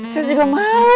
saya juga mau